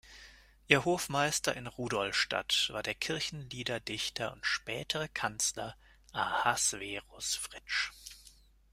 Ihr Hofmeister in Rudolstadt war der Kirchenliederdichter und spätere Kanzler Ahasverus Fritsch.